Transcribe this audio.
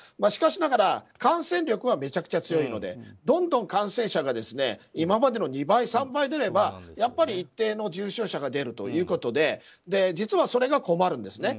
しかしながら、感染力はめちゃくちゃ強いのでどんどん感染者が今までの２倍、３倍出れば一定の重症者が出るということで実はそれが困るんです。